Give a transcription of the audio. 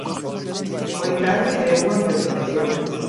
Foi grave e é unha preocupación.